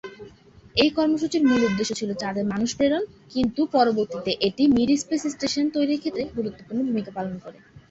এই কর্মসূচির মূল উদ্দেশ্য ছিল চাঁদে মানুষ প্রেরণ কিন্তু পরবর্তীতে এটি মির স্পেস স্টেশন তৈরির ক্ষেত্রে গুরুত্বপূর্ণ ভূমিকা পালন করে।